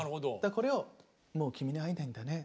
これを「もう君に会えないんだね」